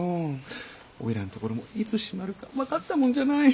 おいらの所もいつ閉まるか分かったもんじゃない。